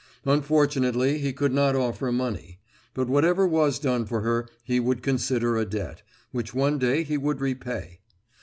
Unfortunately he could not offer money; but whatever was done for her he would consider a debt, which one day he would repay.